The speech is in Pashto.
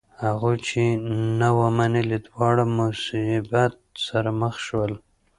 هغوی چې نه و منلی دواړه مصیبت سره مخ شول.